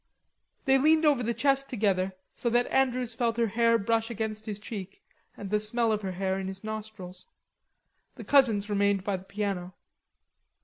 They leaned over the chest together, so that Andrews felt her hair brush against his cheek, and the smell of her hair in his nostrils. The cousins remained by the piano.